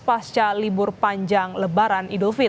pasca libur panjang lebaran idul fitri